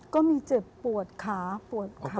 ก็มีเจ็บปวดขาปวดขาบ้าง